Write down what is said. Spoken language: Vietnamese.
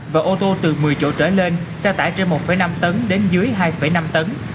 và ô tô từ một mươi chỗ trở lên xe tải trên một năm tấn đến dưới hai năm tấn